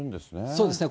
そうですね。